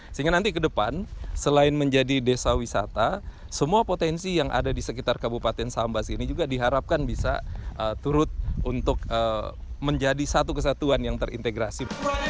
sehingga nanti ke depan selain menjadi desa wisata semua potensi yang ada di sekitar kabupaten sambas ini juga diharapkan bisa turut untuk menjadi satu kesatuan yang terintegrasi